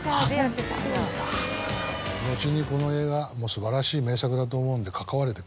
後にこの映画素晴らしい名作だと思うんで。